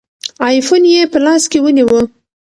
آیفون یې په لاس کې ونیوه.